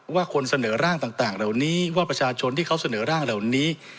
คนเสนอร่างต่างเหล่านี้ว่าประชาชนที่เขาเสนอร่างเหล่านี้